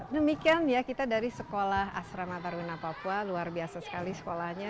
demikian kita dari sekolah astra matarwena papua luar biasa sekali sekolahnya